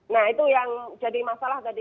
nah itu yang jadi masalah tadi